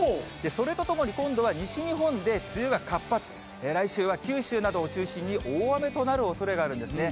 それとともに、今度は西日本で梅雨が活発、来週は九州などを中心に大雨となるおそれがあるんですね。